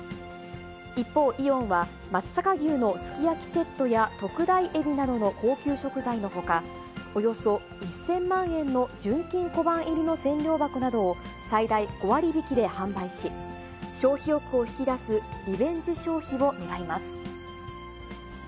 一方、イオンは松阪牛のすき焼きセットや特大エビなどの高級食材のほか、およそ１０００万円の純金小判入りの千両箱などを最大５割引きで販売し、消費欲を引き出すリベンジ消費を狙います。